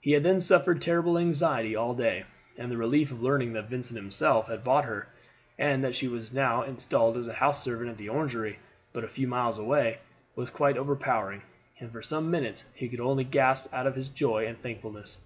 He had then suffered terrible anxiety all day, and the relief of learning that Vincent himself had bought her, and that she was now installed as a house servant at the Orangery, but a few miles away, was quite overpowering, and for some minutes he could only gasp out his joy and thankfulness.